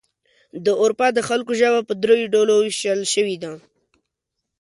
د اروپا د خلکو ژبه په دریو ډلو ویشل شوې ده.